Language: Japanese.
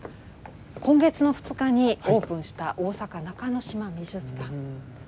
今月の２日にオープンした大阪中之島美術館。